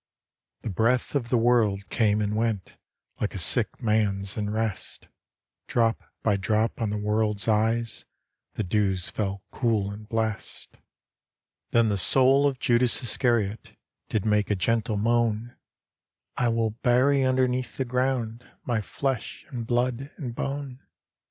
The breath of the World came and went Like a sick man's in rest; Drop by drop on the World's eyes The dews fell cool and blest D,gt,, erihyGOOgle The Haunted Hour Then the soul of Judas Iscariot Did make a gentle moan —" I will bury underneath the ground My flesh and blood and bone.